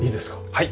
はい。